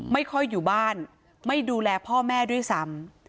ไม่ค่อยอยู่บ้านไม่ดูแลพ่อแม่ด้วยซ้ำ